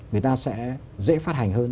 người ta sẽ dễ phát hành hơn